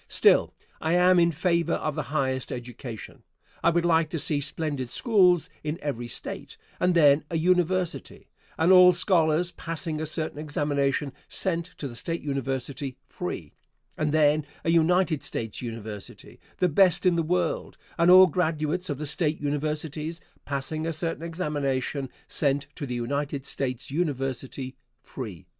Still, I am in favor of the highest education. I would like to see splendid schools in every State, and then a university, and all scholars passing a certain examination sent to the State university free, and then a United States university, the best in the world, and all graduates of the State universities passing a certain examination sent to the United States university free.